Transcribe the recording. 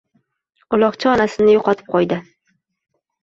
Uloqcha onasini yoʻqotib qo'ydi.